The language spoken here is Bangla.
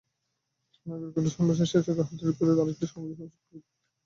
নাগরাকাটার সমাবেশ শেষে রাহুল ত্রিপুরায় আরেকটি কর্মী সমাবেশে যোগ দিতে যান।